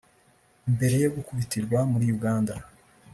Mbere yo gukubitirwa muri Uganda